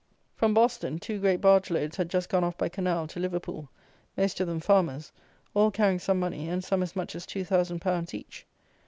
From Boston, two great barge loads had just gone off by canal to Liverpool, most of them farmers; all carrying some money, and some as much as two thousand pounds each.